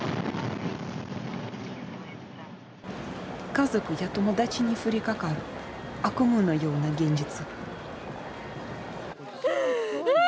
家族や友達に降りかかる悪夢のような現実。